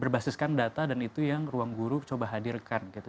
berbasiskan data dan itu yang ruang guru coba hadirkan gitu